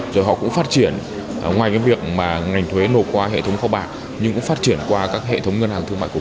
rồi họ cũng phát triển ngoài cái việc mà ngành thuế nộp qua hệ thống kho bạc nhưng cũng phát triển qua các hệ thống ngân hàng thương mại của